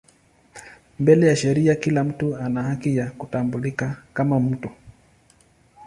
Mbele ya sheria kila mtu ana haki ya kutambulika kama mtu.